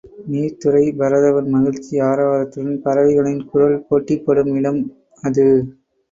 நீர்த் துறைப் பரதவர் மகிழ்ச்சி ஆரவாரத்துடன் பறவைகளின் குரல்கள் போட்டி போடும் இடம் அது.